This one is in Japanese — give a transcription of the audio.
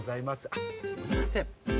あっすいません。